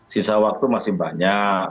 sisa waktu masih banyak